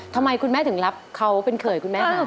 ทำไมคุณแม่ถึงรับเขาเป็นเขยคุณแม่คะ